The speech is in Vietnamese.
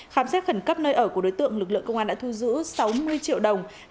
khám xét khẩn cấp nơi ở của đối tượng lực lượng công an đã thu giữ sáu mươi triệu đồng